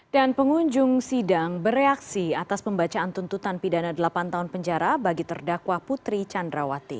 dan pengunjung sidang bereaksi atas pembacaan tuntutan pidana delapan tahun penjara bagi terdakwa putri candrawati